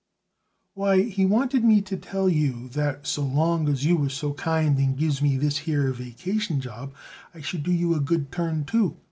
"Why, he wanted me to tell you that so long as you was so kind and gives me this here vacation job I should do you a good turn, too.